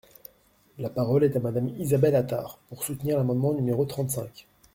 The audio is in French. La parole est à Madame Isabelle Attard, pour soutenir l’amendement numéro trente-cinq.